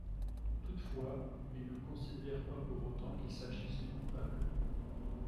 Toutefois, il ne considère pas pour autant qu'il s'agisse du coupable.